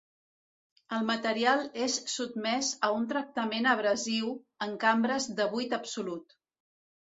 El material és sotmès a un tractament abrasiu en cambres de buit absolut.